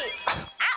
あっ！